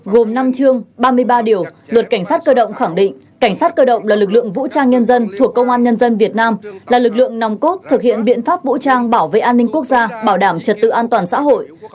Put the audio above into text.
gồm năm chương ba mươi ba điều luật cảnh sát cơ động khẳng định cảnh sát cơ động là lực lượng vũ trang nhân dân thuộc công an nhân dân việt nam là lực lượng nòng cốt thực hiện biện pháp vũ trang bảo vệ an ninh quốc gia bảo đảm trật tự an toàn xã hội